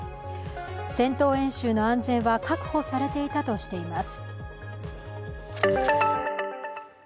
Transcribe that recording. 戦闘演習の安全は確保されていたとしています。